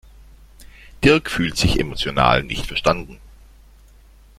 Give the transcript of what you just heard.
Dirk fühlt sich emotional nicht verstanden.